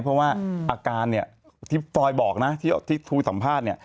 เพราะว่าอาการที่ฟลอยด์บอกที่ทูสัมภาษณ์